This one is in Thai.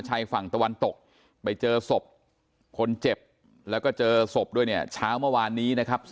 ชัยฝั่งตวันตกไปเจอสบคนเจ็บแล้วก็เจอสบด้วยถ้าเช้าเมื่อวานนี้